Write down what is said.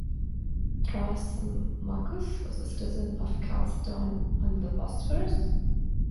Thrasymachus was a citizen of Chalcedon, on the Bosphorus.